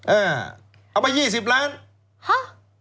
เอ้าเอ้าเอามา๒๐ล้านฮะ